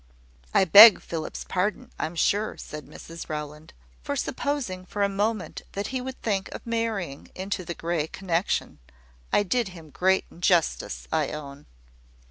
"I beg Philip's pardon, I am sure," said Mrs Rowland, "for supposing for a moment that he would think of marrying into the Grey connexion. I did him great injustice, I own."